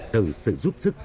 từ sự giúp sức